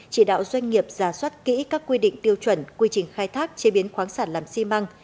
chỉ đạo doanh nghiệp giả soát kỹ các quy định tiêu chuẩn quy trình khai thác chế biến khoáng sản làm xi măng